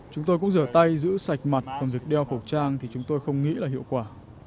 chúng tôi cũng rửa tay giữ sạch mặt còn việc đeo khẩu trang thì chúng tôi không nghĩ là hiệu quả